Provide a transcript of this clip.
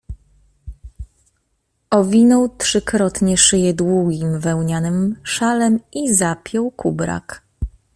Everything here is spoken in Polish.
Owinął trzykrotnie szyję długim wełnianym szalem i zapiął kubrak.